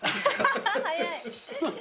早い。